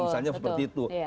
misalnya seperti itu